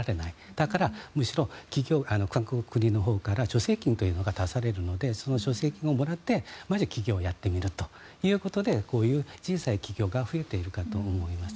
だから、むしろ韓国、国のほうから助成金というものが出されるのでその助成金をもらって、まず起業をやってみるということでこういう小さい企業が増えているかと思います。